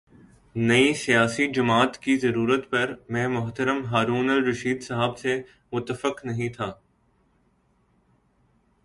نئی سیاسی جماعت کی ضرورت پر میں محترم ہارون الرشید صاحب سے متفق نہیں تھا۔